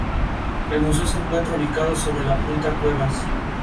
El museo se encuentra ubicado sobre la Punta Cuevas.